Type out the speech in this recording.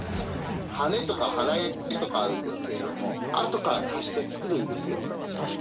はねとかはらいとかあるんですけれども、後から足して作るんですよ。足して？